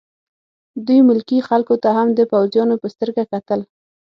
دوی ملکي خلکو ته هم د پوځیانو په سترګه کتل